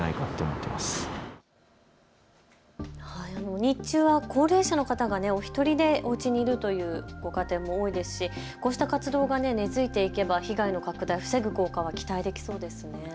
日中は高齢者の方がお一人でおうちにいるというご家庭も多いですし、こうした活動が根づいていけば被害の拡大を防ぐ効果は期待できそうです。